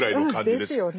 ですよね。